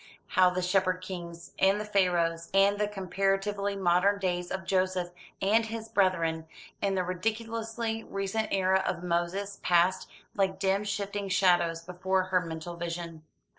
How the Shepherd Kings, and the Pharaohs, and the comparatively modern days of Joseph and his brethren, and the ridiculously recent era of Moses, passed, like dim shifting shadows, before her mental vision.